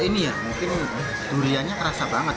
ini ya mungkin duriannya kerasa banget